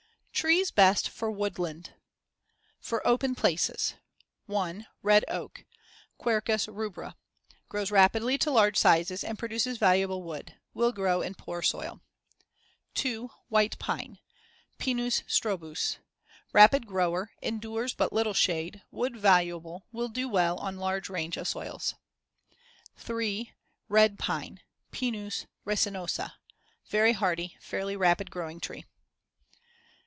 TREES BEST FOR WOODLAND FOR OPEN PLACES 1. Red oak (Quercus rubra) Grows rapidly to large size and produces valuable wood; will grow in poor soil. 2. White pine (Pinus strobus) Rapid grower; endures but little shade; wood valuable; will do well on large range of soils. 3. Red pine (Pinus resinosa) Very hardy; fairly rapid growing tree.